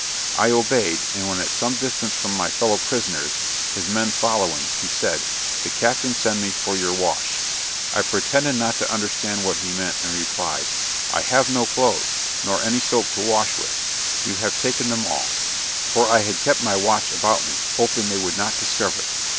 I obeyed, and when at some distance from my fellow prisoners, (his men following) he said, "the captain send me for your wash" I pretended not to understand what he meant, and replied, "I have no clothes, nor any soap to wash with you have taken them all," for I had kept my watch about me, hoping they would not discover it.